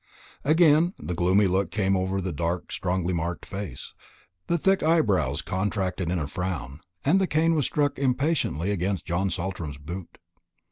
Again the gloomy look came over the dark strongly marked face, the thick black eyebrows contracted in a frown, and the cane was struck impatiently against John Saltram's boot.